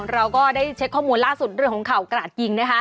เราก็ได้เช็คข้อมูลล่าสุดเรื่องของข่าวกราดยิงนะคะ